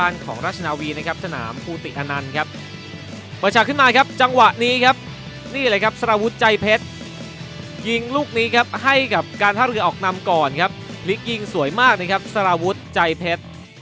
มีมากเลยครับสารวุธใจเพชร